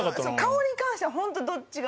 顔に関してはどっちが。